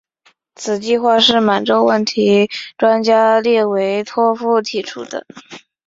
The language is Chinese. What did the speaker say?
此计划是满洲问题专家列维托夫提出的。